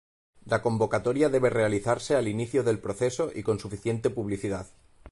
La convocatoria debe realizarse al inicio del proceso y con la suficiente publicidad.